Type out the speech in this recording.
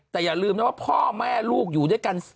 แต่อย่าลืมนะว่าพ่อแม่ลูกอยู่ด้วยกัน